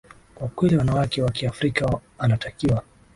kwa kweli wanawake wa kiafrika anatakiwa